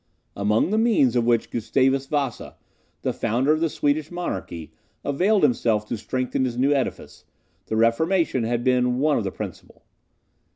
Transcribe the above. Among the means of which Gustavus Vasa, the founder of the Swedish monarchy, availed himself to strengthen his new edifice, the Reformation had been one of the principal.